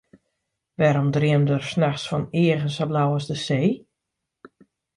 Wêrom dreamde er nachts fan eagen sa blau as de see?